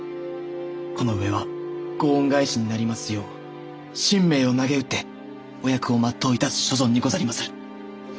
この上はご恩返しになりますよう身命をなげうってお役を全ういたす所存にござりまする。